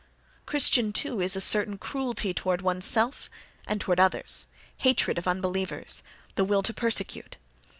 Christian, too, is a certain cruelty toward one's self and toward others; hatred of unbelievers; the will to persecute.